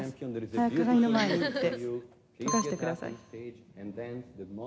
「早く鏡の前に行ってとかしてください」